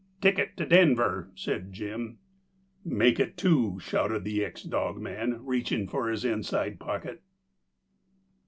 "Ticket to Denver," said Jim. "Make it two," shouted the ex dogman, reaching for his inside pocket.